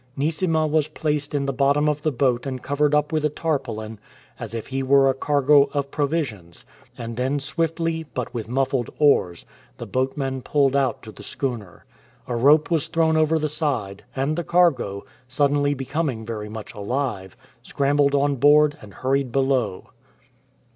Neesima was placed in the bottom of the boat and covered up with a tarpaulin as if he were a cargo of provisions ; and then swiftly, but with muffled oars, the boatman pulled out to the schooner. A rope was thrown over the side, and the cargo, suddenly becoming very much alive, scrambled on board and hurried below.